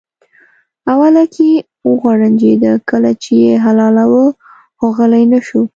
اوله کې وکوړنجېده کله چې یې حلالاوه خو غلی نه شو.